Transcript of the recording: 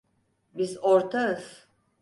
Biz ortağız.